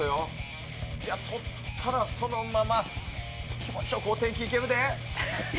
とったらそのまま気持ち良くお天気いけるで。